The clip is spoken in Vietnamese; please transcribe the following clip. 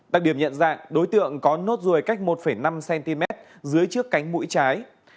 đặc điểm nhận dạng đối tượng có nốt ruồi cách một năm cm dưới trước cánh mũi trái